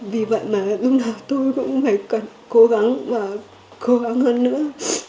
vì vậy mà lúc nào tôi cũng phải cố gắng và cố gắng hơn nữa